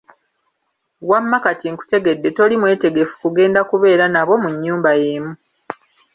Wamma kati nkutegedde toli mwetegefu kugenda kubeera nabo mu nnyumba y’emu.